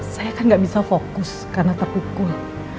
saya kan nggak bisa fokus karena terpukul